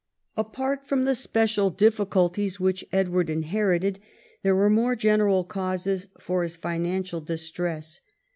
Apart from the sjiecial difficulties which Edward inherited, there were more general causes for his financial distress.